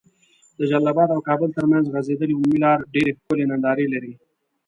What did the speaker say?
د جلال اباد او کابل تر منځ غځيدلي عمومي لار ډيري ښکلي ننداري لرې